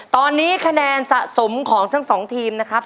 ตอนนี้คะแนนสะสมของทั้งสองทีมนะครับ